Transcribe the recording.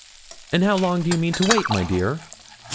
'And how long do you mean to wait, my dear?